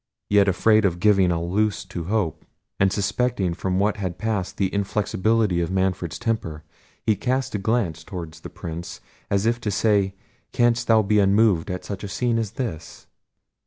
Yet afraid of giving a loose to hope, and suspecting from what had passed the inflexibility of Manfred's temper, he cast a glance towards the Prince, as if to say, canst thou be unmoved at such a scene as this?